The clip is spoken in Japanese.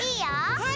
はい。